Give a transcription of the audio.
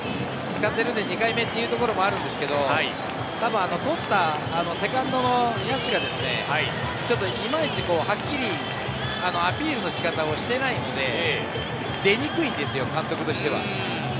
使っているんで２回目っていうところもあるんですけど、多分捕ったセカンドの野手が、ちょっといまいちはっきりアピールの仕方をしていないので、出にくいんですよ、監督としては。